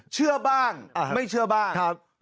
เชื่อบ้างไม่เชื่อบ้าง